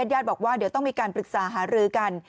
ญาติบอกว่าเดี๋ยวต้องมีการปรึกษาหารือกัน